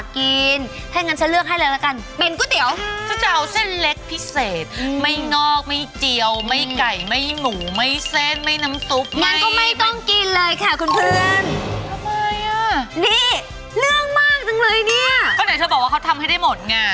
ก็เหนื่อยเธอบอกว่าเขาทำให้ได้หมดไง